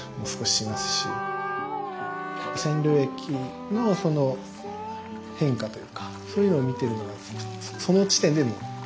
染料液のその変化というかそういうのを見てるのがその地点でもう楽しいかなっていう。